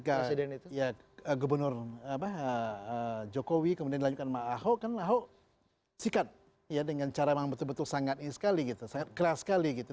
ketika gubernur jokowi kemudian dilanjutkan sama ahok kan ahok sikat ya dengan cara memang betul betul sangat ini sekali gitu sangat keras sekali gitu